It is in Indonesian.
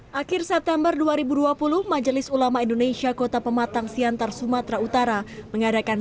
hai akhir september dua ribu dua puluh majelis ulama indonesia kota pematang siantar sumatera utara mengadakan